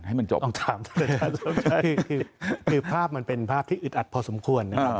ให้มันจบต้องถามใช่คือภาพมันเป็นภาพที่อึดอัดพอสมควรนะครับ